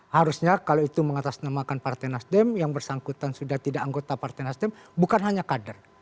harusnya kalau itu mengatasnamakan partai nasdem yang bersangkutan sudah tidak anggota partai nasdem bukan hanya kader